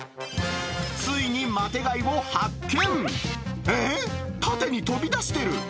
ついにマテ貝を発見。